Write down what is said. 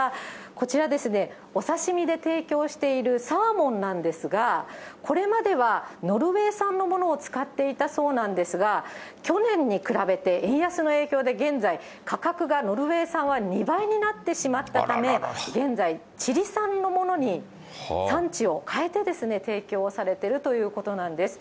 こちら、お刺身で提供しているサーモンなんですが、これまではノルウェー産のものを使っていたそうなんですが、去年に比べて円安の影響で現在、価格がノルウェー産は２倍になってしまったため、現在、チリ産のものに産地を変えて提供されてるということなんです。